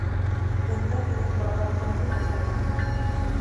Бында һинең балаңды кем ашата?